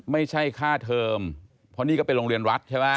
ไม่ใช่ค่าเทอมเพราะนี่ก็เป็นโรงเรียนวัดใช่ไหม